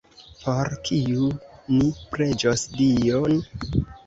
Por kiu ni preĝos Dion?